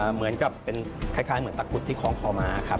เหมือนกับเป็นคล้ายเหมือนตะกุดที่คล้องคอมาครับ